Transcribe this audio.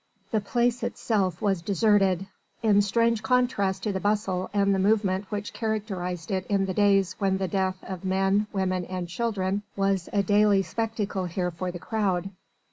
The Place itself was deserted, in strange contrast to the bustle and the movement which characterised it in the days when the death of men, women and children was a daily spectacle here for the crowd.